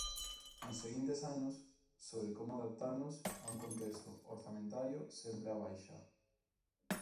Nos seguintes anos, sobre como adaptarnos a un contexto orzamentario sempre á baixa.